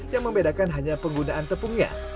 yang membedakan hanya penggunaan tepungnya